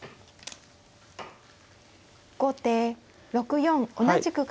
後手６四同じく角。